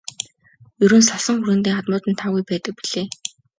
Ер нь салсан хүргэндээ хадмууд нь таагүй байдаг билээ.